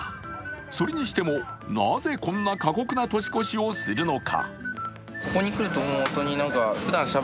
それにしても、なぜこんな過酷な年越しをするのか。